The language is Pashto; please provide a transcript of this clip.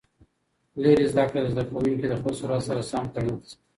لېري زده کړه د زده کوونکي د خپل سرعت سره سم پرمخ ځي.